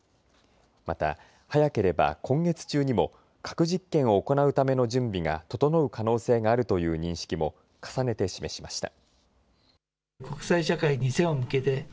また早ければ今月中にも核実験を行うための準備が整う可能性があるという認識も重ねて示しました。